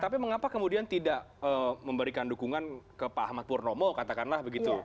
tapi mengapa kemudian tidak memberikan dukungan ke pak ahmad purnomo katakanlah begitu